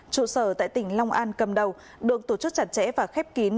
trụ sở tại tỉnh long an cầm đầu được tổ chức chặt chẽ và khép kín